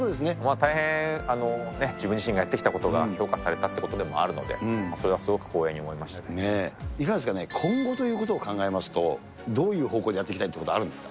大変、自分自身がやってきたことが評価されたということでもあるので、いかがですかね、今後ということを考えますと、どういう方向でやっていきたいってことあるんですか。